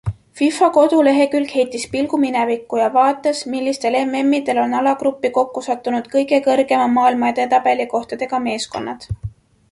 FIFA kodulehekülg heitis pilgu minevikku ja vaatas, millistel MMidel on alagruppi kokku sattunud kõige kõrgema maailma edetabeli kohtadega meeskonnad.